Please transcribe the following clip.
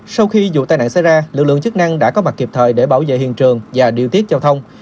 sau khi vụ tai nạn xảy ra lực lượng chức năng đã có mặt kịp thời để bảo vệ hiện trường và điều tiết giao thông